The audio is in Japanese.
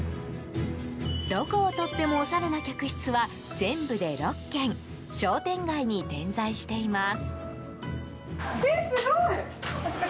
どこをとってもおしゃれな客室は全部で６軒商店街に点在しています。